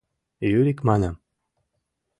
— Юрик, манам!